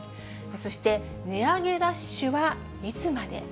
そして値上げラッシュはいつまで？